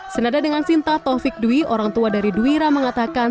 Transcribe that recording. senada dengan sinta taufik dwi orang tua dari duwira mengatakan